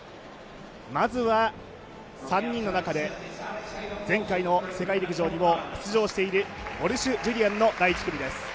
まずは、３人の中で前回の世界陸上にも出場しているウォルシュ・ジュリアンの第１組です。